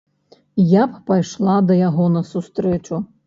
Я б пайшла да яго на сустрэчу.